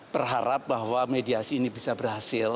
berharap bahwa mediasi ini bisa berhasil